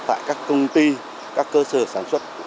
tại các công ty các cơ sở sản xuất